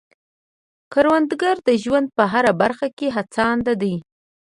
کروندګر د ژوند په هره برخه کې هڅاند دی